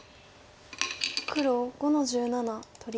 黒５の十七取り。